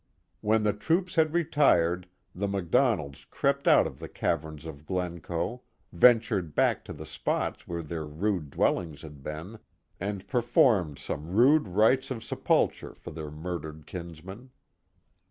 When the troops had retired, the MacDonalds crept out of the caverns of Glencoe, ventured back to the spots where their rude dwellings had been, and performed some rude rites of sepulture for their murdered kinsmen.